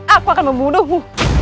aku akan membunuhmu